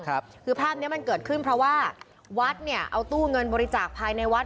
คือภาพเนี้ยมันเกิดขึ้นเพราะว่าวัดเนี่ยเอาตู้เงินบริจาคภายในวัด